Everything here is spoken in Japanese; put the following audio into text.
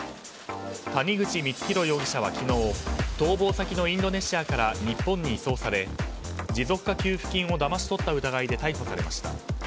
谷口光弘容疑者は昨日逃亡先のインドネシアから日本に移送され持続化給付金をだまし取った疑いで逮捕されました。